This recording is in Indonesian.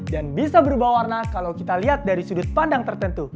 dan bisa berubah warna kalau kita lihat dari sudut pandang tertentu